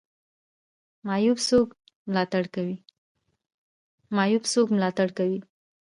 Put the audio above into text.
معیوب څوک ملاتړ کوي؟